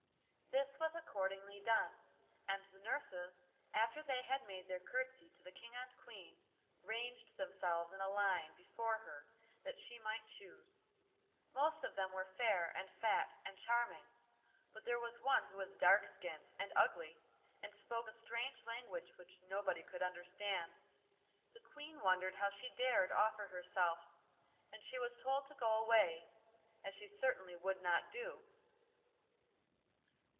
This was accordingly done, and the nurses, after they had made their curtsey to the King and Queen, ranged themselves in a line before her that she might choose. Most of them were fair and fat and charming, but there was one who was dark skinned and ugly, and spoke a strange language which nobody could understand. The Queen wondered how she dared offer herself, and she was told to go away, as she certainly would not do.